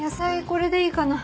これでいいかな？